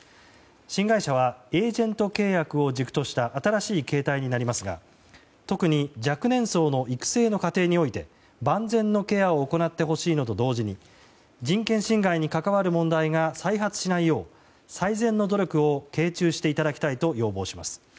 新会社はエージェント契約を軸とした新しい形態になりますが特に若年層の育成の過程において万全のケアを行ってほしいのと同時に人権侵害に関わる問題が再発しないよう最善の努力を傾注していただきたいと要望します。